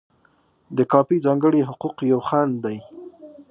د کاپي ځانګړي حقوق یو خنډ دی.